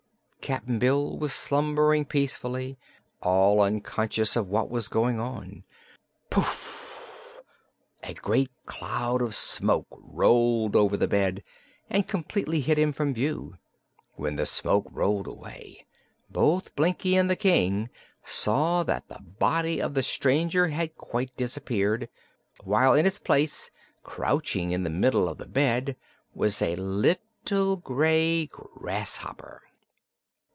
Cap'n Bill was slumbering peacefully, all unconscious of what was going on. Puff! A great cloud of smoke rolled over the bed and completely hid him from view. When the smoke rolled away, both Blinkie and the King saw that the body of the stranger had quite disappeared, while in his place, crouching in the middle of the bed, was a little gray grasshopper.